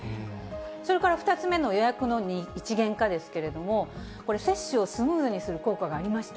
それから２つ目の予約の一元化ですけれども、これ、接種をスムーズにする効果がありました。